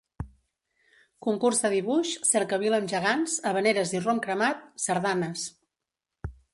Concurs de dibuix, cercavila amb gegants, havaneres i rom cremat, sardanes.